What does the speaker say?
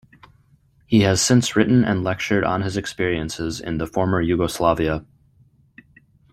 He has since written and lectured on his experiences in the former Yugoslavia.